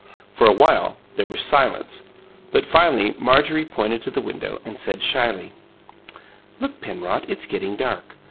For a while there was silence; but finally Marjorie pointed to the window and said shyly: "Look, Penrod, it's getting dark.